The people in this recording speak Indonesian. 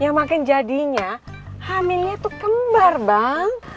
yang makin jadinya hamilnya tuh kembar bang